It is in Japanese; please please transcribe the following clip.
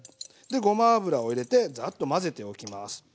でごま油を入れてザッと混ぜておきます。